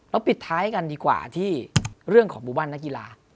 แล้วปิดท้ายกันดีกว่าที่เรื่องของบุบันนักกีฬา